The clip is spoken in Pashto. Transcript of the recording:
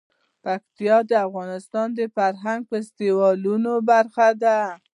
پکتیکا د افغانستان د فرهنګي فستیوالونو برخه ده.